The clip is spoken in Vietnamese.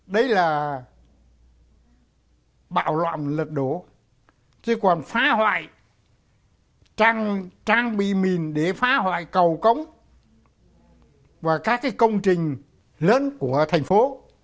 đấy là bạo loạn lật đổ chứ còn phá hoại trang bị mìn để phá hoại cầu cống và các công trình lớn của thành phố